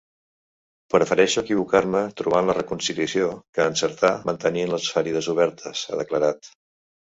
Prefereixo equivocar-me trobant la reconciliació, que encertar mantenint les ferides obertes, ha declarat.